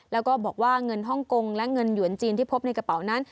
แล้วก็บอกว่าเงินฮ่องกงและเงินหยวนจีนที่พบในกระเป๋านั้น